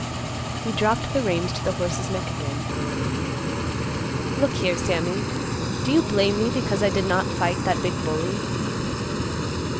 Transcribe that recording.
He dropped the reins to the horse's neck again, "Look here, Sammy, do you blame me because I did not fight that big bully?"